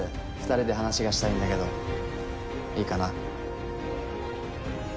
２人で話がしたいんだけどいいかな？